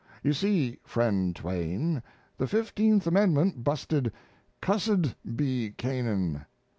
You see, friend Twain, the Fifteenth Amendment busted "Cussed Be Canaan."